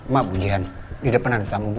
maaf bu jihan di depan ada tamu bu